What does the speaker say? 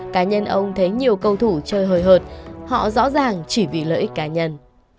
cá nhân ông thấy nhiều cầu thủ chơi hời hợt họ rõ ràng chỉ vì lợi ích cá nhân